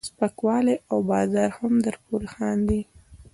سپکوالی او بازار هم درپورې خاندي.